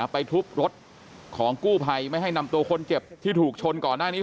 ทุบรถของกู้ภัยไม่ให้นำตัวคนเจ็บที่ถูกชนก่อนหน้านี้